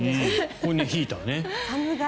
これ、ヒーターね。